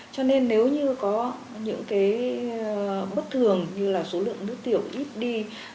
cho nên nếu như có những cái bất thường như là số lượng nước tiểu ít đi